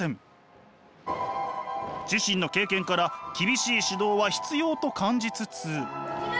自身の経験から厳しい指導は必要と感じつつ。